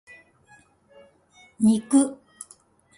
肉